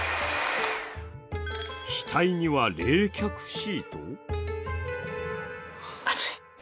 額には冷却シート？